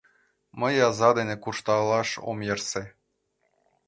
Мый аза дене куржталаш ом ярсе.